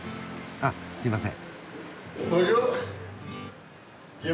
あっすいません。